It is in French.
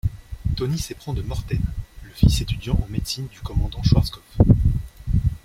Tony s'éprend de Morten, le fils étudiant en médecine du commandant Schwazkopf.